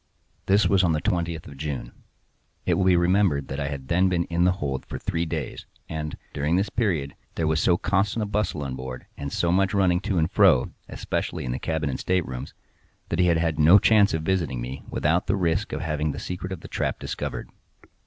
This was on the twentieth of June. It will be remembered that I had then been in the hold for three days; and, during this period, there was so constant a bustle on board, and so much running to and fro, especially in the cabin and staterooms, that he had had no chance of visiting me without the risk of having the secret of the trap discovered.